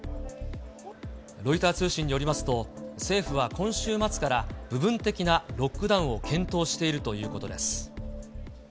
ロイター通信によりますと、政府は今週末から部分的なロックダウンを検討しているということ